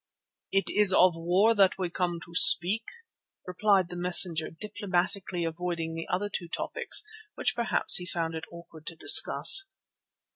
"It is of war that we come to speak," replied the messenger, diplomatically avoiding the other two topics which perhaps he found it awkward to discuss.